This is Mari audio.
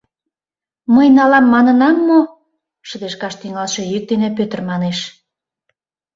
— Мый налам манынам мо, — шыдешкаш тӱҥалше йӱк дене Пӧтыр манеш.